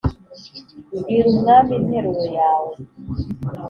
Bwira Umwami interuro yawe